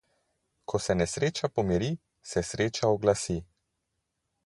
Ko se nesreča pomiri, se sreča oglasi.